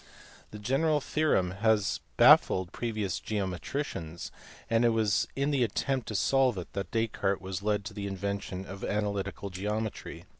The general theorem had baffled previous geometricians, and it was in the attempt to solve it that Descartes was led to the inven tion of analytical geometry.